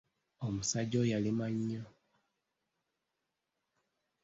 Omusajja oyo alima nnyo.